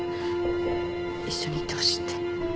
一緒に行ってほしいって。